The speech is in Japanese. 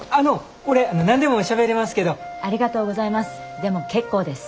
でも結構です。